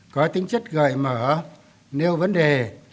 có tính chất gợi mở nếu vấn đề